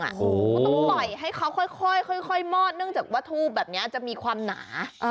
ก็ต้องปล่อยให้เขาค่อยมอดเนื่องจากว่าทูบแบบนี้จะมีความหนา